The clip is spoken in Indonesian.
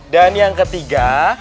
dan yang ketiga